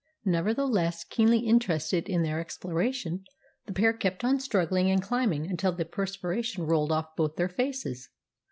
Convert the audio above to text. Nevertheless, keenly interested in their exploration, the pair kept on struggling and climbing until the perspiration rolled off both their faces.